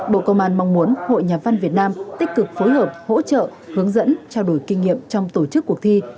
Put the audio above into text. bộ công an mong muốn hội nhà văn việt nam tích cực phối hợp hỗ trợ hướng dẫn trao đổi kinh nghiệm trong tổ chức cuộc thi